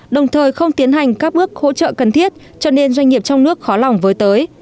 đồng thời không tiến hành các bước hỗ trợ cần thiết cho nên doanh nghiệp trong nước khó lòng với tới